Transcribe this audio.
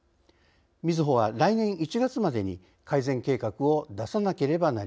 みずほは来年１月までに改善計画を出さなければなりません。